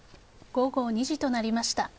午後２時となりました。